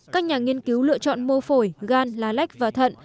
các nhà nghiên cứu lựa chọn mô phổi gan lá lách và thận